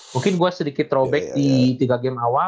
mungkin gue sedikit robek di tiga game awal